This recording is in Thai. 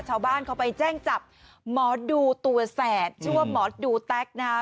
ชาวบ้านเขาไปแจ้งจับหมอดูตัวแสบชื่อว่าหมอดูแต๊กนะฮะ